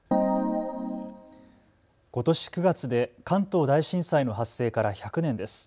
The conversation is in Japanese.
ことし９月で関東大震災の発生から１００年です。